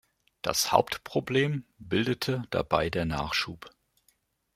Das Hauptproblem bildete dabei der Nachschub.